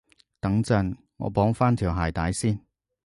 等陣，我綁返條鞋帶先